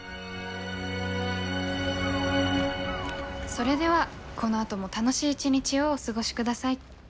それではこのあとも楽しい一日をお過ごしください。